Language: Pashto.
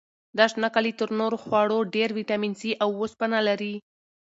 دا شنه کالي تر نورو خوړو ډېر ویټامین سي او وسپنه لري.